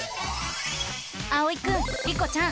あおいくんリコちゃん